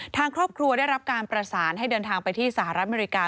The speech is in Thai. ทางครอบครัวได้รับการประสานให้เดินทางไปที่สหรัฐอเมริกา